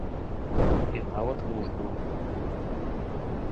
І нават муж быў.